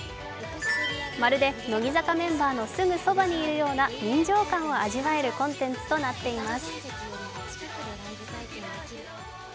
まるで乃木坂メンバーのすぐそばにいるような臨場感を味わえるコンテンツとなっています。